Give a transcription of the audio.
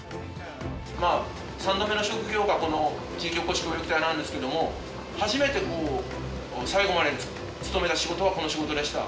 まあ３度目の職業がこの地域おこし協力隊なんですけども初めて最後まで勤めた仕事がこの仕事でした。